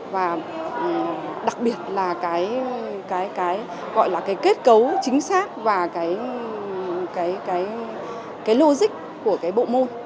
và đặc biệt là cái kết cấu chính xác và cái logic của cái bộ môn